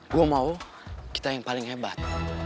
gue mau kita yang paling hebat